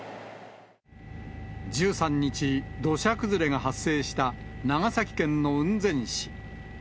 １３日、土砂崩れが発生した長崎県の雲仙市。